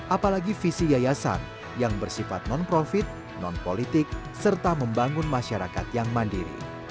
apalagi visi yayasan yang bersifat non profit non politik serta membangun masyarakat yang mandiri